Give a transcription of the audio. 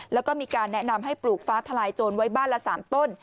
แล้วก็มีการแนะนำให้ปลูกฟ้าทลายโจรไว้บ้านละ๓ต้น